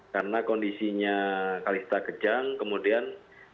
karena kondisinya kalista kejang kemudian